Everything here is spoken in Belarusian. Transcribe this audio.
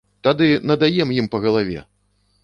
Тады надаем ім па галаве!